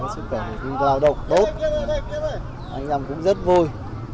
sức khỏe dừa dào độc tốt anh em cũng rất vui